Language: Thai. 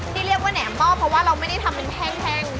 ที่เรียกว่าแหนมหม้อเพราะว่าเราไม่ได้ทำเป็นแห้ง